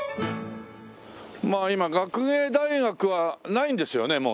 まあ今学芸大学はないんですよね？